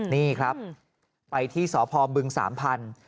นี่ครับไปที่สพบึงสามพันธุ